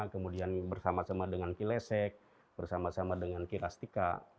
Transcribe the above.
kemudian bersama sama dengan kilesek bersama sama dengan kirastika